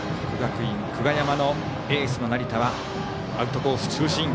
国学院久我山のエースの成田はアウトコース中心。